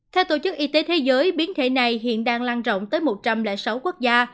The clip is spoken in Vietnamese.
theo tổ chức y tế thế giới biến thể này hiện đang lan rộng tới một trăm linh sáu quốc gia